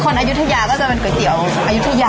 คนอยุทธิยาก็จะเป็นก๋วยเตี๋ยวอยุทธิยา